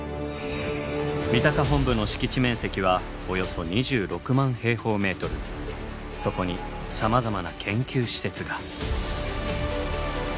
三鷹本部のそこにさまざまな研究施設が。